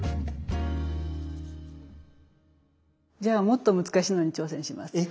じゃあもっと難しいのに挑戦します。